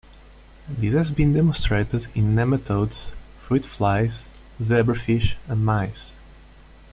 This has been demonstrated in nematodes, fruit flies, zebrafish, and mice.